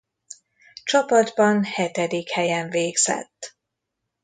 Csapatban hetedik helyen végzett.